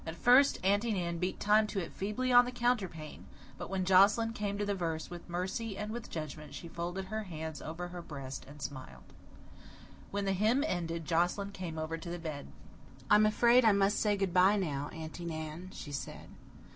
At first Aunty Nan beat time to it feebly on the counterpane; but when Joscelyn came to the verse, "With mercy and with judgment," she folded her hands over her breast and smiled. When the hymn ended, Joscelyn came over to the bed. "I am afraid I must say good bye now, Aunty Nan," she said.